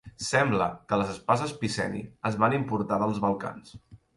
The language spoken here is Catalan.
Sembla que les espases Piceni es van importar dels Balcans.